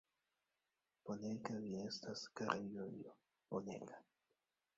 Bonega vi estas, kara Julio, bonega!